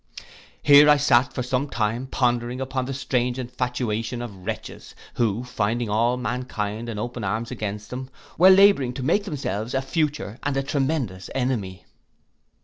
Here I sate for some time, pondering upon the strange infatuation of wretches, who finding all mankind in open arms against them, were labouring to make themselves a future and a tremendous enemy.